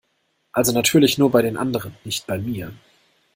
Also natürlich nur bei den anderen, nicht bei mir!